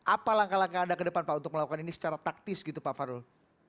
apa langkah langkah anda ke depan pak untuk melakukan ini secara taktis gitu pak farul